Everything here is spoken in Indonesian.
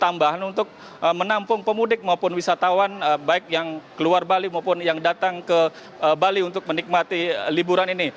tambahan untuk menampung pemudik maupun wisatawan baik yang keluar bali maupun yang datang ke bali untuk menikmati liburan ini